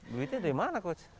duitnya dari mana coach